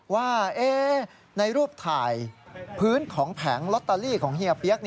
ว่าในรูปถ่ายพื้นของแผงลอตเตอรี่ของเฮียเปี๊ยก